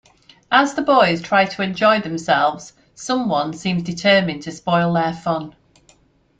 As the boys try to enjoy themselves, someone seems determined to spoil their fun.